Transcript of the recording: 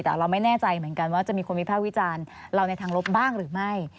แต่เราไม่แน่ใจเหมือนกันว่าจะมีคนวิภาควิจารณ์เราในทางลบบ้างหรือไม่